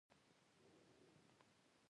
ستاسو اند څه دی؟